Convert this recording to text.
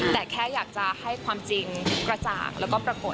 แต่แค่อยากจะให้ความจริงกระจ่างแล้วก็ปรากฏ